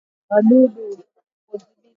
Kudhibiti ndorobo kwa kutumia sumu za wadudu